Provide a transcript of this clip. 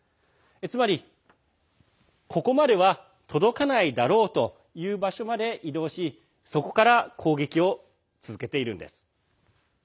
つまり、ここまでは届かないだろうという場所まで移動し、そこから攻撃を続けているんです。